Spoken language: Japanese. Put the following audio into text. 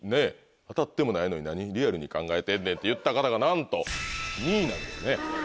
「当たってもないのに何リアルに考えてんねん」って言った方がなんと２位なんですね。